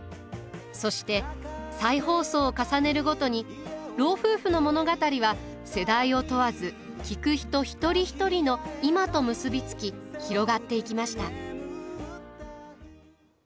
そして再放送を重ねるごとに老夫婦の物語は世代を問わず聴く人一人一人の「いま」と結び付き広がっていきました。